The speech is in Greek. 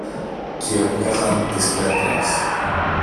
κι έβγαζαν τις πέτρες